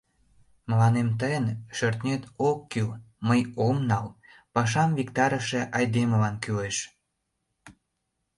Мыланем тыйын шӧртнет ок кӱл, мый ом нал; пашам виктарыше айдемылан кӱлеш...